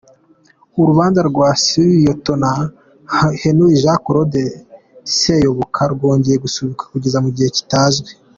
Urubanza rwa Sous-Lieutenant Henry Jean Claude Seyoboka rwongeye gusubikwa kugeza mu gihe kitazwi.